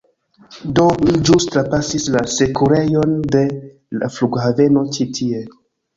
Do, mi ĵus trapasis la sekurejon de la flughaveno ĉi tie